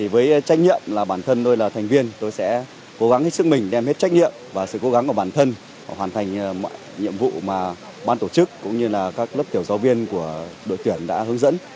với trách nhiệm là bản thân tôi là thành viên tôi sẽ cố gắng hết sức mình đem hết trách nhiệm và sự cố gắng của bản thân hoàn thành mọi nhiệm vụ mà ban tổ chức cũng như là các lớp tiểu giáo viên của đội tuyển đã hướng dẫn